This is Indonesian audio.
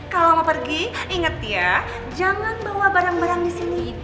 kalo mau pergi inget ya jangan bawa barang barang disini